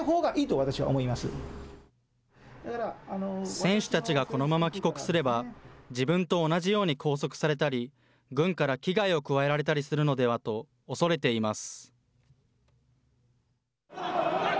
選手たちがこのまま帰国すれば、自分と同じように拘束されたり、軍から危害を加えられたりするのではと恐れています。